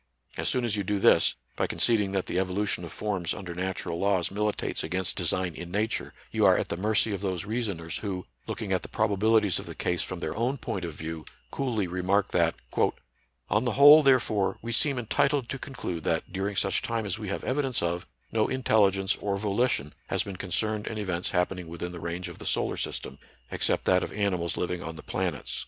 As soon as you do this, by conceding that the evolution of forms under natural laws mili tates against design in Nature, you are at the mercy of those reasoners, who, looking at the probabilities of the case from their own point of view, coolly remark that :—" On the whole, therefore, we seem entitled to conclude that, during such time as we have evidence of, no intelligence or volition has been concerned in events happening within the range of the solar system, except that of animals liv ing on the planets."